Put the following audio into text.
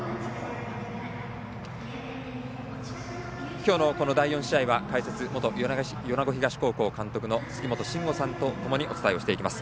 今日の第４試合は解説は元米子東高校監督の杉本真吾さんとともにお伝えしていきます。